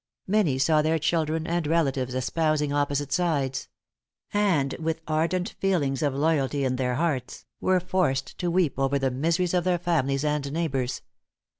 Many saw their children and relatives espousing opposite sides; and with ardent feelings of loyalty in their hearts, were forced to weep over the miseries of their families and neighbors.